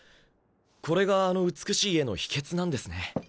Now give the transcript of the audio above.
これがあの美しい絵の秘訣なんですね。